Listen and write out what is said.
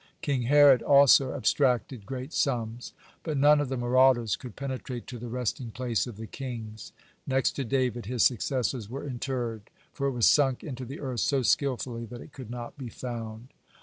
King Herod also abstracted great sums. But none of the marauders could penetrate to the resting place of the kings,—next to David his successors were interred,—for it was sunk into the earth so skillfully that it could not be found.